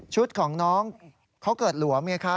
ชุดของน้องเขาเกิดหลวม